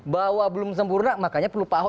bahwa belum sempurna makanya perlu pak ahok